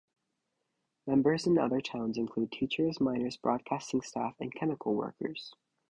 Members in other towns include teachers, miners, broadcasting staff and chemical workers.